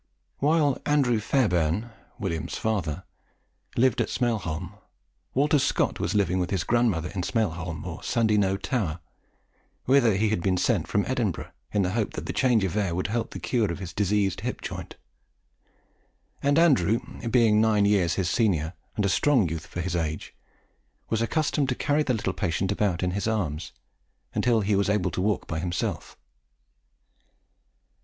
While Andrew Fairbairn (William's father) lived at Smailholm, Walter Scott was living with his grandmother in Smailholm or Sandyknowe Tower, whither he had been sent from Edinburgh in the hope that change of air would help the cure of his diseased hip joint; and Andrew, being nine years his senior, and a strong youth for his age, was accustomed to carry the little patient about in his arms, until he was able to walk by himself.